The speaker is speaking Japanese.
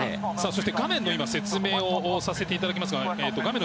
そして画面の説明をさせていただきますが画面